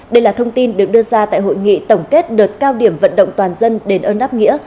đây là thông tin được đưa ra tại hội nghị tổng kết đợt cao điểm vận động toàn dân đền ơn đáp nghĩa